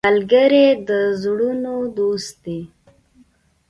ملګری د زړونو دوست دی